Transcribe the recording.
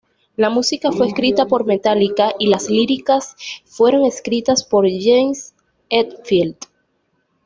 La música fue escrita por Metallica, y las líricas fueron escritas por James Hetfield.